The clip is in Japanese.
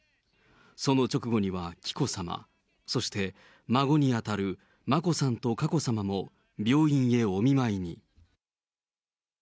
その直後には紀子さま、そして孫にあたる眞子さんと佳子さまも、病院へお見舞いに。